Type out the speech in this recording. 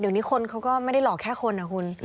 เดี๋ยวนี้คนเขาก็ไม่ได้หลอกแค่คนนะคุณ